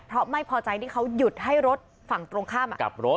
เพราะไม่พอใจที่เขาหยุดให้รถฝั่งตรงข้ามกลับรถ